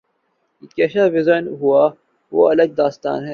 یہ کیسے ویران ہوا وہ الگ داستان ہے۔